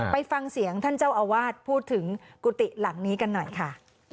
ไปฟังเสียงท่านเจ้าอาวาสพูดถึงกุฏิหลังนี้กันหน่อยค่ะ